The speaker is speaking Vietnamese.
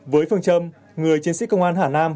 với phương châm người chiến sĩ công an hà nam